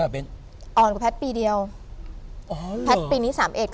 มีน